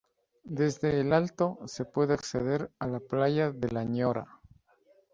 Desde el Alto, se puede acceder a la Playa de la Ñora.